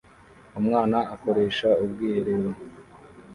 Umwana akoresha ubwiherero